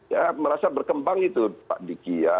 ya merasa berkembang itu pak diki ya